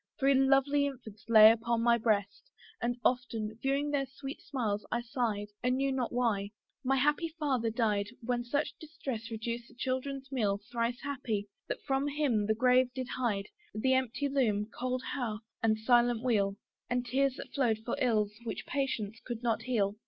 Three lovely infants lay upon my breast; And often, viewing their sweet smiles, I sighed, And knew not why. My happy father died When sad distress reduced the children's meal: Thrice happy! that from him the grave did hide The empty loom, cold hearth, and silent wheel, And tears that flowed for ills which patience could not heal.